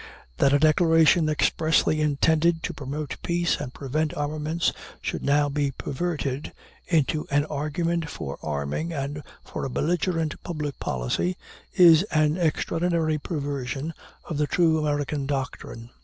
That a declaration expressly intended to promote peace and prevent armaments should now be perverted into an argument for arming and for a belligerent public policy is an extraordinary perversion of the true American doctrine.